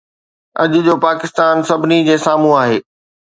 اڄ جو پاڪستان سڀني جي سامهون آهي.